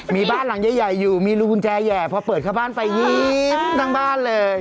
มีบ้านหลังใหญ่อยู่มีรูกุญแจแห่พอเปิดเข้าบ้านไปยิ้มทั้งบ้านเลย